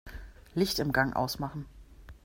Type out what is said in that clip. Licht im Gang ausmachen.